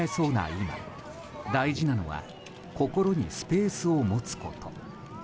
今大事なのは心にスペースを持つこと。